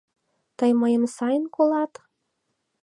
Тый мыйым сайын колат?